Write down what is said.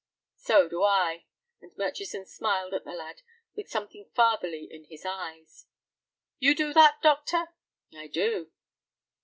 "So do I," and Murchison smiled at the lad with something fatherly in his eyes. "You do that, doctor?" "I do."